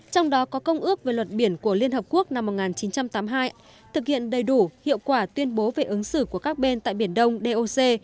trong đó có công ước về luật biển của liên hợp quốc năm một nghìn chín trăm tám mươi hai thực hiện đầy đủ hiệu quả tuyên bố về ứng xử của các bên tại biển đông doc